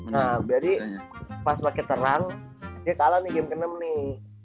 nah jadi pas makin terang dia kalah nih game ke enam nih